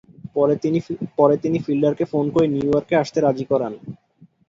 পরে তিনি ফিল্ডারকে ফোন করে নিউ ইয়র্কে আসতে রাজি করান।